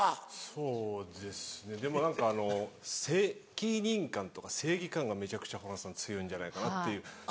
そうですねでも何か責任感とか正義感がめちゃくちゃホランさん強いんじゃないかなっていう。